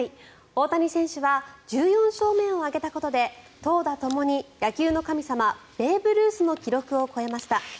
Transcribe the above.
大谷選手は１４勝目を挙げたことで投打ともに野球の神様、ベーブ・ルースの記録を超えました。